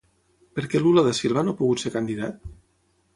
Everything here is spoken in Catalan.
Per què Lula da Silva no ha pogut ser candidat?